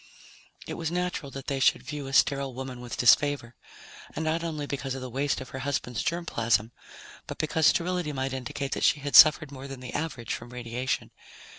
It was natural that they should view a sterile woman with disfavor, and not only because of the waste of her husband's germ plasm, but because sterility might indicate that she had suffered more than the average from radiation.